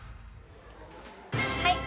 はい。